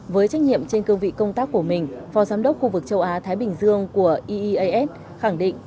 với trách nhiệm trên cương vị công tác của mình phó giám đốc khu vực châu á thái bình dương của eas khẳng định